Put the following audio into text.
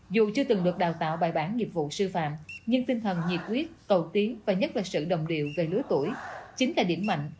dù chưa từng được đào tạo bài bản nghiệp vụ sư phạm nhưng tinh thần nhiệt quyết cầu tiến và nhất là sự đồng điệu về lứa tuổi chính là điểm mạnh